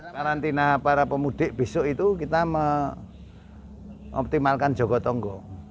karantina para pemudik besok itu kita mengoptimalkan jogotongo